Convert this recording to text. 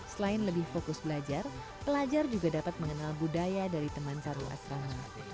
selain lebih fokus belajar pelajar juga dapat mengenal budaya dari teman sarung asrama